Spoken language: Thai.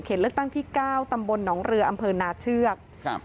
เลือกตั้งที่เก้าตำบลหนองเรืออำเภอนาเชือกครับ